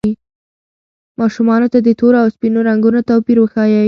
ماشومانو ته د تورو او سپینو رنګونو توپیر وښایئ.